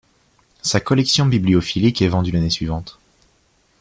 Sa collection bibliophilique est vendue l'année suivante.